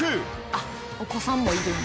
あっお子さんもいる。